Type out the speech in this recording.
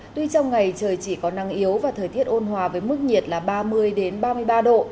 tuy trong ngày trời chỉ có nắng yếu và thời tiết ôn hòa với mức nhiệt là ba mươi ba mươi ba độ